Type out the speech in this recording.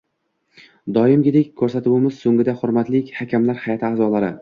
Doimgidek, ko‘rsatuvimiz so‘ngida hurmatli hakamlar hay’ati a’zolari